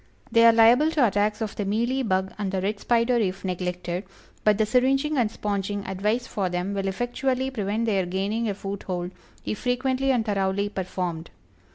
They are liable to attacks of the Mealy Bug and the Red Spider if neglected, but the syringing and sponging advised for them will effectually prevent their gaining a foothold if frequently and thoroughly performed.